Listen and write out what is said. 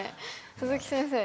鈴木先生